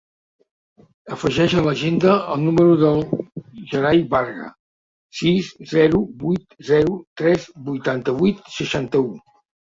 Afegeix a l'agenda el número del Gerai Varga: sis, zero, vuit, zero, tres, vuitanta-vuit, seixanta-u.